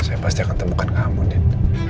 saya pasti akan temukan kamu deh